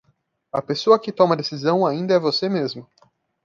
A pessoa que toma a decisão ainda é você mesmo